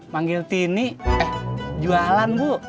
manggil tini eh jualan bu